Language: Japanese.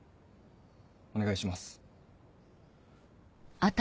お願いします。